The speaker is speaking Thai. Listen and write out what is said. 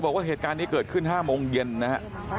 บอกว่าเหตุการณ์นี้เกิดขึ้น๕โมงเย็นนะฮะ